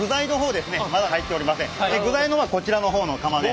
具材の方はこちらの方の釜で。